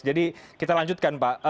jadi kita lanjutkan pak